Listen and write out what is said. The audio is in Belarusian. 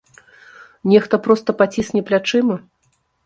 Нехта проста пацісне плячыма.